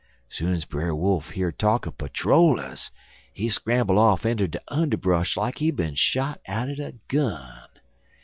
"Soon's Brer Wolf hear talk er de patter rollers, he scramble off inter de underbrush like he bin shot out'n a gun.